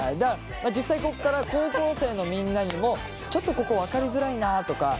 実際ここから高校生のみんなにもちょっとここ分かりづらいなとか